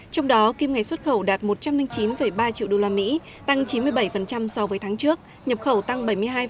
trong đó kim ngạch xuất khẩu đạt một trăm linh chín ba triệu usd tăng chín mươi bảy so với tháng trước nhập khẩu tăng bảy mươi hai